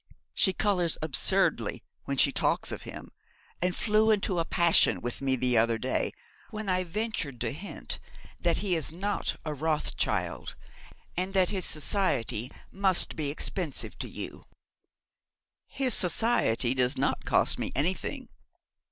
She colours absurdly when she talks of him, and flew into a passion with me the other day when I ventured to hint that he is not a Rothschild, and that his society must be expensive to you.' 'His society does not cost me anything.